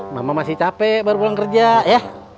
mama masih capek baru pulang kerja ya